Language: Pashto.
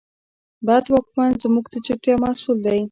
بد واکمن زموږ د چوپتیا محصول دی.